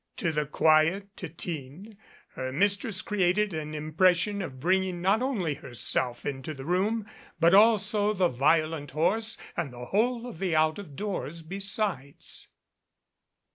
To the quiet Titine her mistress created an impression of bringing not only herself into the room, but also the violent horse and the whole of the out of doors besides.